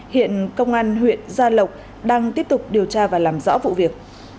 hiện công an huyện gia lộc đang tiếp tục điều tra và làm rõ vụ việc